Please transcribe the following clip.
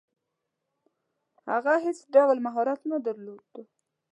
هغه هیڅ ډول مهارت نه درلود.